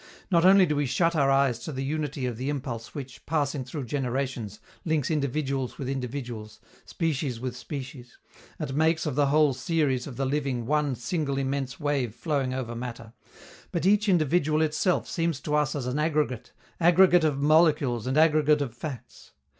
Not only do we shut our eyes to the unity of the impulse which, passing through generations, links individuals with individuals, species with species, and makes of the whole series of the living one single immense wave flowing over matter, but each individual itself seems to us as an aggregate, aggregate of molecules and aggregate of facts.